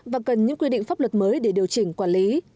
và cần những quy định pháp luật mới để điều chỉnh quản lý